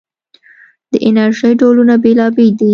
د انرژۍ ډولونه بېلابېل دي.